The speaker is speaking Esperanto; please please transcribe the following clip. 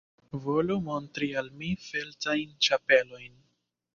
Volu montri al mi feltajn ĉapelojn.